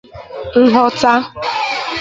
nghọta